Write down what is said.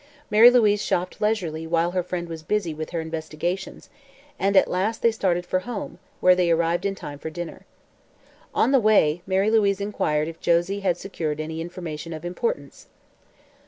Mary Louise shopped leisurely while her friend was busy with her investigations and at last they started for home, where they arrived in time for dinner. On the way, Mary Louise inquired if Josie had secured any information of importance.